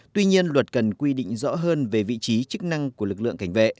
tuy nhiên luật cần quy định rõ hơn về vị trí chức năng của lực lượng cảnh vệ